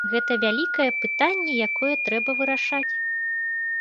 Гэта вялікае пытанне, якое трэба вырашаць.